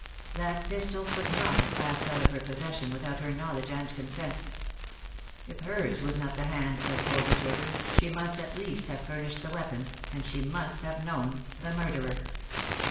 That pistol could not have passed out of her possession without her knowledge and consent. If hers was not the hand that pulled the trigger, she must, at least, have furnished the weapon, and she must have known the murderer.